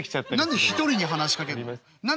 何で１人に話しかける？